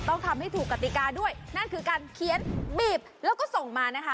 ต้องทำให้ถูกกติกาด้วยนั่นคือการเขียนบีบแล้วก็ส่งมานะคะ